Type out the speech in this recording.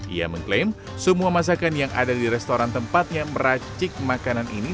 ia mengklaim semua masakan yang ada di restoran tempatnya meracik makanan ini